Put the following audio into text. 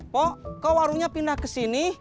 poh kau warunya pindah kesini